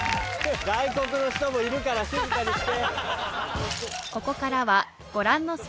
外国の人もいるから静かにして。